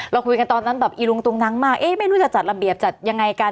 เราคุยกันตอนนั้นแบบอีลุงตุงนังมากเอ๊ะไม่รู้จะจัดระเบียบจัดยังไงกัน